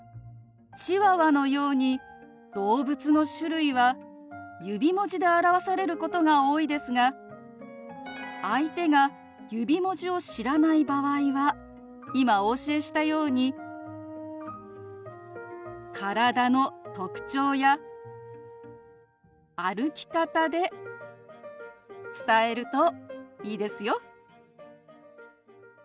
チワワのように動物の種類は指文字で表されることが多いですが相手が指文字を知らない場合は今お教えしたように体の特徴や歩き方で伝えるといいですよ。